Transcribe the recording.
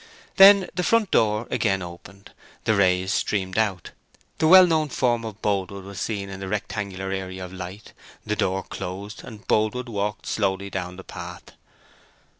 Then the front door again opened, the rays streamed out, the well known form of Boldwood was seen in the rectangular area of light, the door closed, and Boldwood walked slowly down the path.